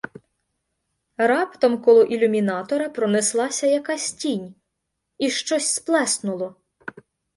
Раптом коло ілюмінатора пронеслася якась тінь і щось сплеснуло.